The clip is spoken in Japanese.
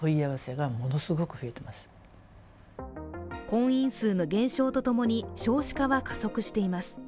婚姻数の減少とともに少子化は加速しています。